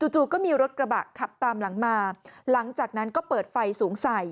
จู่ก็มีรถกระบะขับตามหลังมาหลังจากนั้นก็เปิดไฟสูงใส